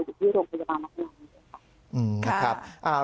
อยู่ที่โรงพยาบาลมันภรรยา